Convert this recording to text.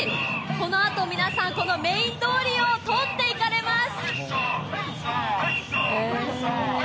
このあと、皆さんこのメイン通りを通っていかれます。